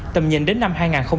tầm nhìn đến năm hai nghìn sáu mươi